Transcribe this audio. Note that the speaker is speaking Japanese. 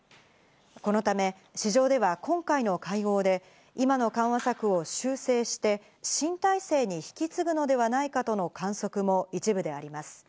このため市場では今回の会合で、今の緩和策を修正して、新体制に引き継ぐのではないかとの観測も一部であります。